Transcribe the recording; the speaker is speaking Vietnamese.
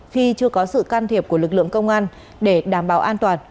khi chưa có sự can thiệp của lực lượng công an để đảm bảo an toàn